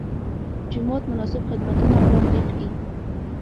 جومات مناسب خدمتونه وړاندې کړي.